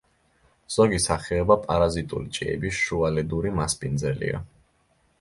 ზოგი სახეობა პარაზიტული ჭიების შუალედური მასპინძელია.